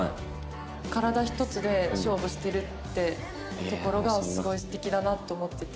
体一つで勝負してるってところがすごい素敵だなと思ってて。